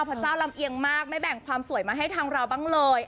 พระเจ้าลำเอียงมากไม่แบ่งความสวยมาให้ทางเราบ้างเลย